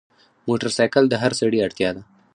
موټرسایکل د هر سړي اړتیا ده.